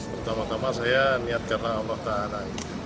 pertama tama saya niat karena allah ta'ala